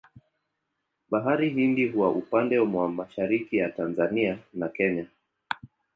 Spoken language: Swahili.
Bahari Hindi huwa upande mwa mashariki ya Tanzania na Kenya.